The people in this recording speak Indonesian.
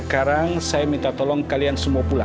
kenapa kenapa kenapa